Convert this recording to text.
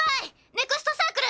ネクストサークル！